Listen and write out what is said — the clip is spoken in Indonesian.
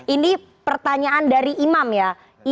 ini pertanyaan dari imam ya